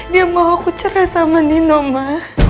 dia mau aku cerai sama nino ma